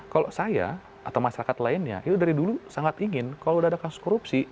kalau saya atau masyarakat lainnya itu dari dulu sangat ingin kalau sudah ada kasus korupsi